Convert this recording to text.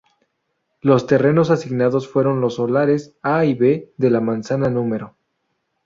Los terrenos asignados fueron los solares A y B de la manzana No.